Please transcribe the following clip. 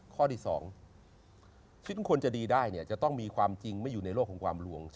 ข้อที่๒ชีวิตคนจะดีได้เนี่ยจะต้องมีความจริงไม่อยู่ในโลกของความลวง